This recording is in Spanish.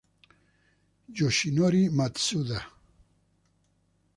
Yoshinori Matsuda